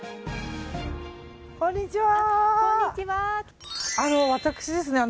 こんにちは。